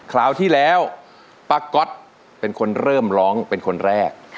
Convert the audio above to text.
คราวที่แล้วป้าก๊อตเป็นคนเริ่มร้องเป็นคนแรก